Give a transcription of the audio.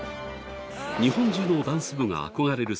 日本中のダンス部が憧れる